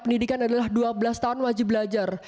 pendidikan adalah dua belas tahun wajib belajar